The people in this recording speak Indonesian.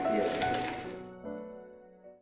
oke rasanya udah selesai